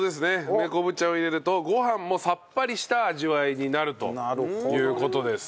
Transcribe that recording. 梅昆布茶を入れるとご飯もさっぱりした味わいになるという事です。